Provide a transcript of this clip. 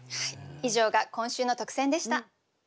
以上が今週の特選でした。